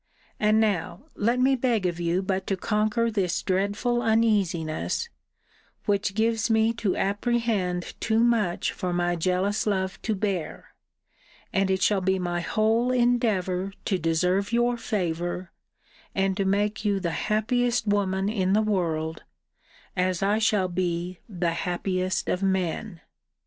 And now let me beg of you but to conquer this dreadful uneasiness, which gives me to apprehend too much for my jealous love to bear; and it shall be my whole endeavour to deserve your favour, and to make you the happiest woman in the world; as I shall be the happiest of men.